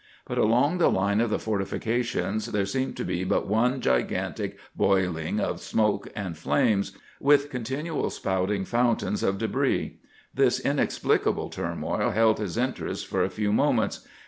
But along the line of the fortifications there seemed to be but one gigantic boiling of smoke and flames, with continual spouting fountains of débris. This inexplicable turmoil held his interest for a few moments.